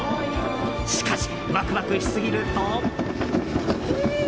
しかし、ワクワクしすぎると。